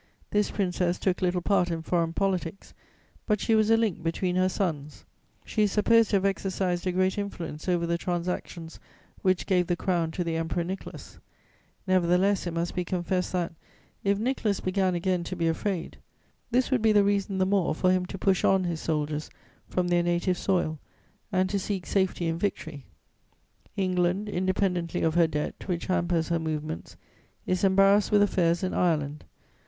This Princess took little part in foreign politics, but she was a link between her sons; she is supposed to have exercised a great influence over the transactions which gave the crown to the Emperor Nicholas. Nevertheless, it must be confessed that, if Nicholas began again to be afraid, this would be a reason the more for him to push on his soldiers from their native soil and to seek safety in victory. "England, independently of her debt, which hampers her movements, is embarrassed with affairs in Ireland.